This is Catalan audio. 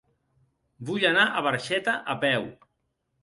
Vull anar a Barxeta a peu.